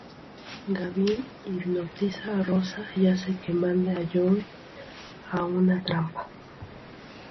Gavin hipnotiza a Rosa y hace que mande a Joey a una trampa.